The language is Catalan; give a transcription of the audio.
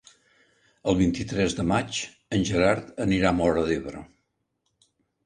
El vint-i-tres de maig en Gerard anirà a Móra d'Ebre.